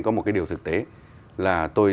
có một cái điều thực tế là tôi